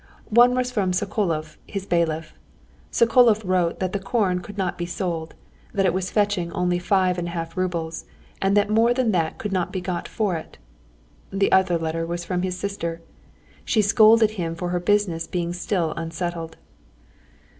One was from Sokolov, his bailiff. Sokolov wrote that the corn could not be sold, that it was fetching only five and a half roubles, and that more than that could not be got for it. The other letter was from his sister. She scolded him for her business being still unsettled.